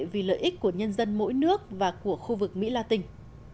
vì lợi ích của nhân dân mỗi nước và của khu vực mỹ la tình